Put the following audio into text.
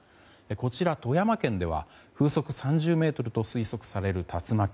こちら富山県では風速３０メートルと推測される竜巻。